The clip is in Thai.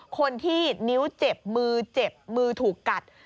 คนที่นิ้วเจ็บมือเจ็บมือถูกกัด